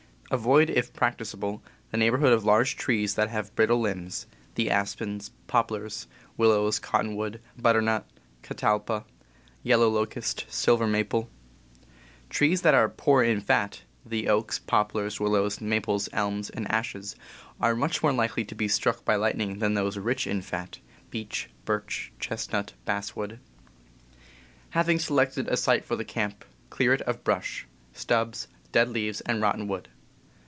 Avoid, if practicable, the neighborhood of large trees that have brittle limbs (the aspens, poplars, willows, cottonwood, butternut, catalpa, yellow locust, silver maple). Trees that are "poor in fat" (the oaks, poplars, willows, maples, elms, ashes) are much more likely to be struck by lightning than are those "rich in fat" (beech, birch, chestnut, basswood). Starting a Lean to Shelter The Fixed Camp THE CAMP 73 Having selected a site for the camp, clear it of brush, stubs, dead leaves, and rotten wood.